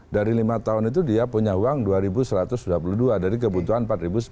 dari lima tahun itu dia punya uang dua satu ratus dua puluh dua dari kebutuhan empat sembilan ratus